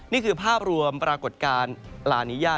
นี่คือภาพรวมปรากฏการณ์ลานิยา